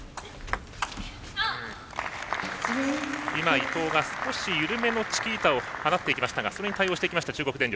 伊藤が少し緩めのチキータを放っていきましたがそれに対応していきました中国電力。